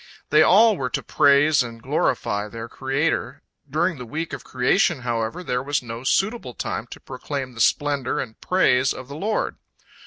They all were to praise and glorify their Creator. During the week of creation, however, there was no suitable time to proclaim the splendor and praise of the Lord.